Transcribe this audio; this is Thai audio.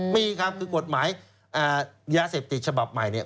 มีครับคือกฎหมายยาเสพติดฉบับใหม่เนี่ย